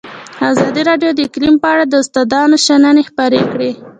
ازادي راډیو د اقلیم په اړه د استادانو شننې خپرې کړي.